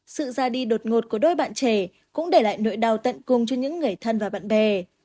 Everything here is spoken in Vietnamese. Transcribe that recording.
sự ra đi đột ngột của đôi bạn trẻ cũng để lại nội đau tận cùng cho những người thân và bạn bè